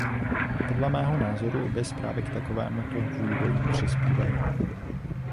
Podle mého názoru obě zprávy k takovémuto vývoji přispívají.